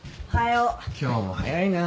今日も早いな。